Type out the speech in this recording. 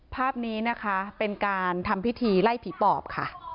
ภาพนี้นะคะเป็นการทำพิธีไล่ผีปอบค่ะ